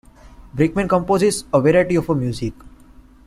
Brickman composes a variety of music.